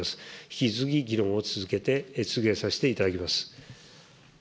引き続き議論を続けて、続けさせていただきます。